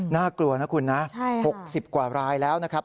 น่ากลัวนะคุณนะ๖๐กว่ารายแล้วนะครับ